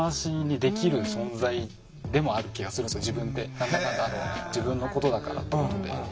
何だかんだ自分のことだからってことで。